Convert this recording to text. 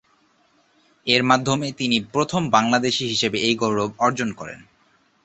এর মাধ্যমে তিনি প্রথম বাংলাদেশী হিসেবে এই গৌরব অর্জন করেন।